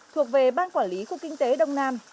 thuộc về ban quản lý khu kinh tế đông nam